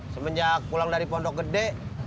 semenjak pulang dari pondok gede